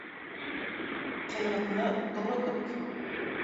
Койрыкны туры тот.